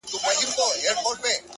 د خپل جېبه د سگريټو يوه نوې قطۍ وا کړه،